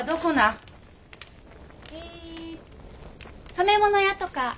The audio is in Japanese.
染め物屋とか。